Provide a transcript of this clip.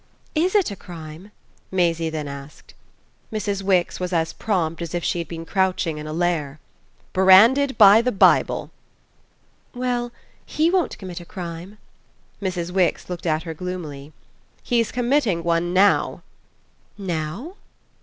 "IS it a crime?" Maisie then asked. Mrs. Wix was as prompt as if she had been crouching in a lair. "Branded by the Bible." "Well, he won't commit a crime." Mrs. Wix looked at her gloomily. "He's committing one now." "Now?"